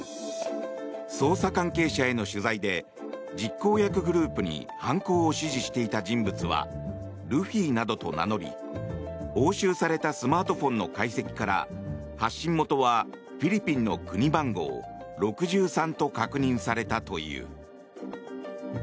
捜査関係者への取材で実行役グループに犯行を指示していた人物はルフィなどと名乗り押収されたスマートフォンの解析から発信元はフィリピンの国番号６３と確認されたという。